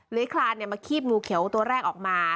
เลื้อยคลานเนี่ยมาคีบงูเขียวตัวแรกออกมา